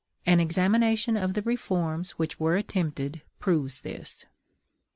An examination of the reforms which were attempted proves this.